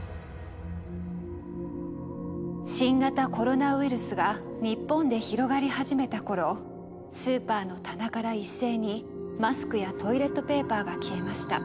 新型コロナウイルスが日本で広がり始めた頃スーパーの棚から一斉にマスクやトイレットペーパーが消えました。